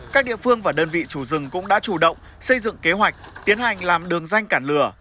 các địa phương và đơn vị chủ rừng cũng đã chủ động xây dựng kế hoạch tiến hành làm đường danh cản lửa